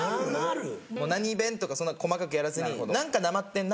何弁とかそんな細かくやらずに何かなまってんなぐらいで。